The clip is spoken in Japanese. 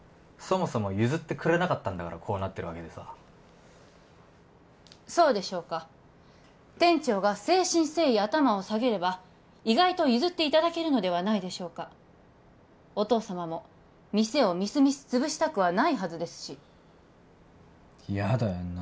そもそも譲ってくれなかったんだからこうなってるわけでさそうでしょうか店長が誠心誠意頭を下げれば意外と譲っていただけるのではないでしょうかお父様も店をみすみす潰したくはないはずですしヤダよ